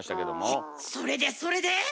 えっそれでそれで？